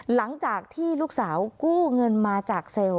หลังจากที่ลูกสาวกู้เงินมาจากเซลล์